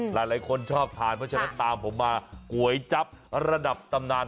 หลายคนชอบทานเพราะฉะนั้นตามผมมาก๋วยจั๊บระดับตำนาน